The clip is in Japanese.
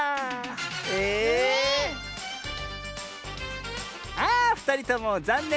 ええっ⁉あふたりともざんねん。